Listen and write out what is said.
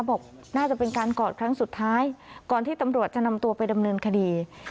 บอกน่าจะเป็นการกอดครั้งสุดท้ายก่อนที่ตำรวจจะนำตัวไปดำเนินคดี